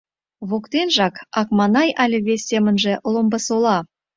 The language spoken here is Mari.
Воктенжак — Акманай але вес семынже — Ломбысола.